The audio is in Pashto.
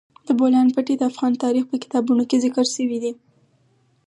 د بولان پټي د افغان تاریخ په کتابونو کې ذکر شوی دي.